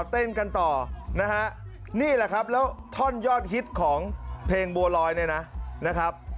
เต้นกันต่อนะฮะนี่แหละครับแล้วท่อนยอดฮิตของเพลงบัวลอยเนี่ยนะครับ